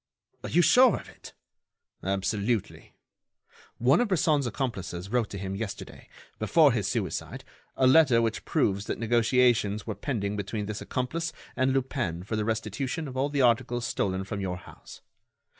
"Are you sure of it?" "Absolutely. One of Bresson's accomplices wrote to him yesterday, before his suicide, a letter which proves that negotiations were pending between this accomplice and Lupin for the restitution of all the articles stolen from your house.